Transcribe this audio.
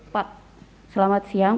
pak selamat siang